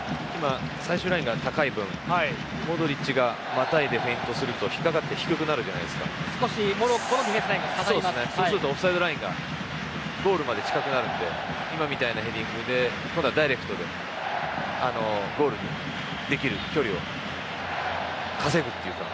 最終ラインが高い分モドリッチがまたいで、フェイントすると引っかかって少しモロッコのラインがそうするとオフサイドラインがゴールまで近くなるので今みたいなヘディングで今度はダイレクトでゴールできる距離を稼ぐという。